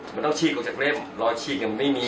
มันต้องฉีกเข้าจากเล่มรอยฉีกเนี่ยมันไม่มี